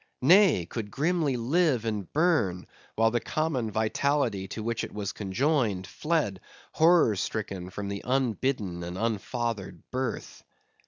Nay, could grimly live and burn, while the common vitality to which it was conjoined, fled horror stricken from the unbidden and unfathered birth.